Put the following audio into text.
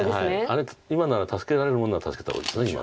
あれ今なら助けられるもんなら助けた方がいいです今。